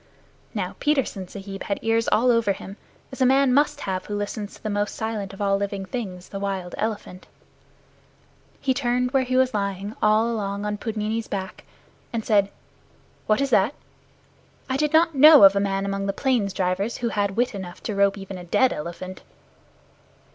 Now Petersen Sahib had ears all over him, as a man must have who listens to the most silent of all living things the wild elephant. He turned where he was lying all along on Pudmini's back and said, "What is that? I did not know of a man among the plains drivers who had wit enough to rope even a dead elephant."